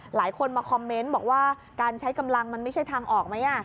หลายคนมาคอมเมนต์บอกว่าการใช้กำลังมันไม่ใช่ทางออกไหม